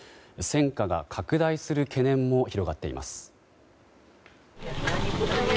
戦火が拡大する懸念も広がっています。